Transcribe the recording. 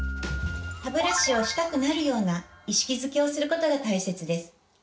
歯ブラシをしたくなるような意識づけをすることが大切です。